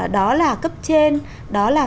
đó là cấp trên đó là